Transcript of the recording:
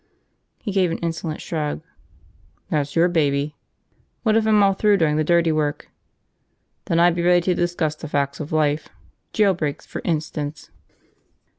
He gave an insolent shrug. "That's your baby." "What if I'm all through doing the dirty work?" "Then I'd be ready to discuss the facts of life. Jailbreaks, for instance."